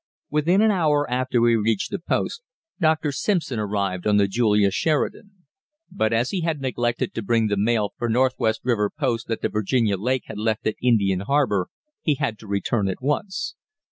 Within an hour after we reached the post, Dr. Simpson arrived on the Julia Sheridan; but as he had neglected to bring the mail for Northwest River Post that the Virginia Lake had left at Indian Harbour, he had to return at once.